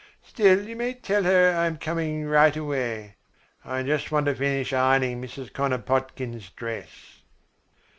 Still you may tell her I am coming right away. I just want to finish ironing Mrs. Konopotkin's dress."